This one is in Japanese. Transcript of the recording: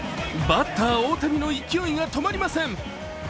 バッター・大谷の勢いが止まりません。